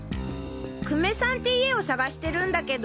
久米さんって家を探してるんだけど。